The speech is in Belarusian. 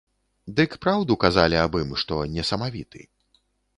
Дык праўду казалі аб ім, што не самавіты.